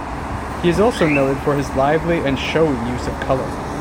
He is also noted for his lively and showy use of colour.